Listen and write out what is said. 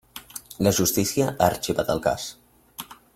La justícia ha arxivat el cas.